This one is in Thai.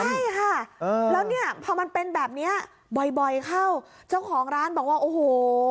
ใช่ค่ะแล้วเนี่ยพอมันเป็นแบบเนี้ยบ่อยเข้าเจ้าของร้านบอกว่าโอ้โห